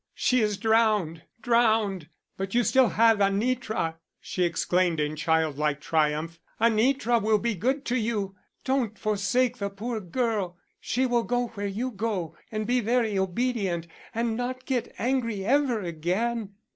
She is drowned, drowned. But you still have Anitra," she exclaimed in child like triumph. "Anitra will be good to you. Don't forsake the poor girl. She will go where you go and be very obedient and not get angry ever again."